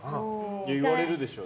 言われるでしょう。